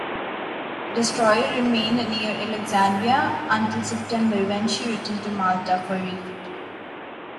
The destroyer remained near Alexandria until September, when she returned to Malta for refit.